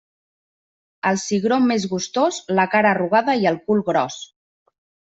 El cigró més gustós: la cara arrugada i el cul gros.